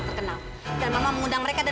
tapi warnanya aja yang beda